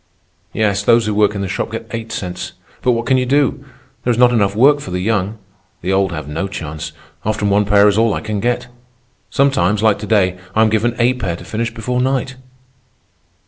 "Yes, those who work in the shop get eight cents. But what can you do? There is not enough work for the young. The old have no chance. Often one pair is all I can get. Sometimes, like to day, I am given eight pair to finish before night."